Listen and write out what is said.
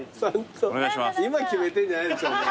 今決めてんじゃないでしょうね？